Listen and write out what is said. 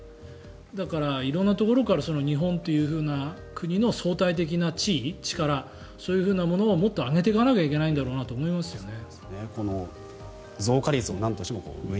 だから、色んなところから日本という国の相対的な地位、力そういうものをもっと上げていかないといけないんだろうと思いますよね。